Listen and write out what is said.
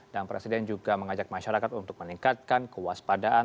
dan presiden juga mengajak masyarakat untuk meningkatkan kewaspadaan